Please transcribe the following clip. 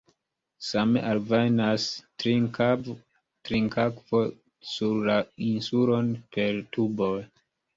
Same alvenas trinkakvo sur la insulon per tuboj.